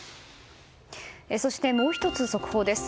そして、もう１つ速報です。